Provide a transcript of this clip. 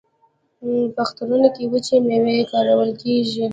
په اخترونو کې وچې میوې کارول کیږي.